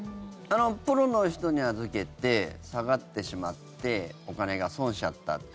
プロの人に預けて下がってしまってお金が損しちゃった。